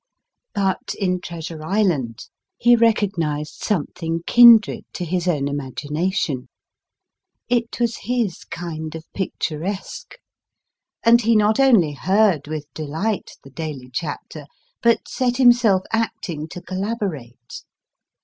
But in Treasure Island he recognised something kindred to his own imagination ; it was his kind of picturesque ; and he not only heard with delight the daily chapter, but set himself acting to collaborate.